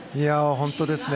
本当ですね。